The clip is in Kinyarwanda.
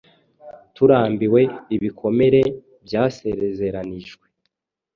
Turambiwe ibikomere byasezeranijwe